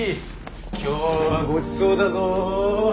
今日はごちそうだぞ。